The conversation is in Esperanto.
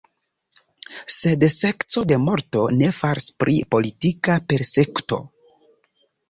Sed sekco de morto ne faris pri politika persekuto.